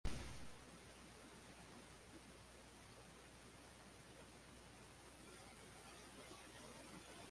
El colorido empleado es tradicional de su primera estancia en Tahití.